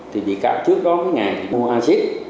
thì vị kháo trước đó ngày mua acid